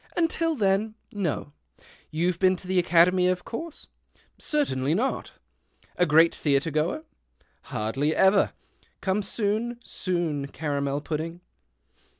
Until then — no. You've been to the Academy, of course " Certainly not." " A sfreat theatre o;oer ?"" Hardly ever. Come soon — soon — caramel pudding."